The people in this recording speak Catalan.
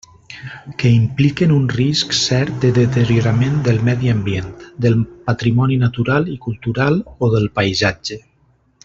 Que impliquen un risc cert de deteriorament del medi ambient, del patrimoni natural i cultural o del paisatge.